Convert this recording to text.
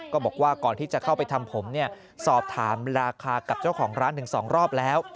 ก็บอกว่าก่อนที่จะเข้าไปทำผมสอบถามราคากับเจ้าของร้าน๑๒รอบแล้ว